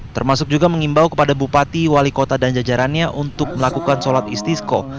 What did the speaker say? termasuk juga mengimbau kepada bupati wali kota dan jajarannya untuk melakukan sholat istiskoh